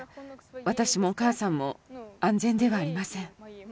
私もお母さんも安全ではありません。